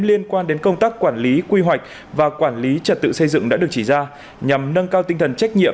liên quan đến công tác quản lý quy hoạch và quản lý trật tự xây dựng đã được chỉ ra nhằm nâng cao tinh thần trách nhiệm